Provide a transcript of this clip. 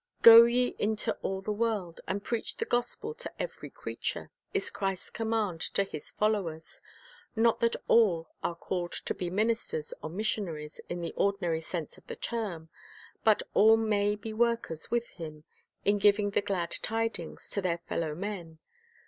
1 "Go ye into all the world, and preach the gospel to every creature,'" 2 is Christ's command to His followers. Not that all are called to be ministers or missionaries in the ordinary sense of the term; but all may be workers with Him in giving the "glad tidings" to their fellow men.